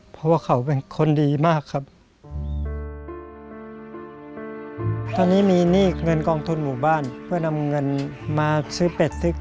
เพราะว่าเขาเป็นคนดีมากครับ